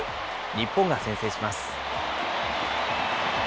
日本が先制します。